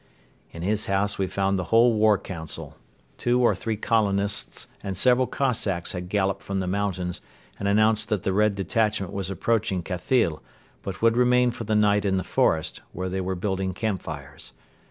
In his house we found the whole war council. Two or three colonists and several Cossacks had galloped from the mountains and announced that the Red detachment was approaching Khathyl but would remain for the night in the forest, where they were building campfires.